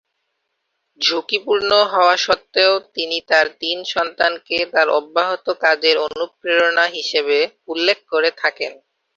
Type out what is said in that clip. ঝুঁকিপূর্ণ হওয়া সত্ত্বেও তিনি তার তিন সন্তানকে তার অব্যাহত কাজের অনুপ্রেরণা হিসাবে উল্লেখ করে থাকেন।